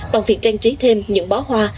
bằng việc trang trí thêm những bó hoa